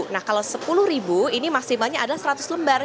nah kalau sepuluh ribu ini maksimalnya adalah seratus lembar